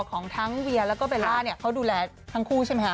ของทั้งเวียแล้วก็เบลล่าเนี่ยเขาดูแลทั้งคู่ใช่ไหมคะ